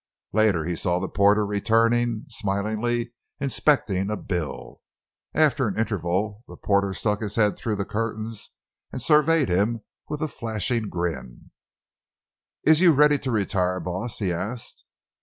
Later he saw the porter returning, smilingly inspecting a bill. After an interval the porter stuck his head through the curtains and surveyed him with a flashing grin: "Is you ready to retiah, boss?" he asked.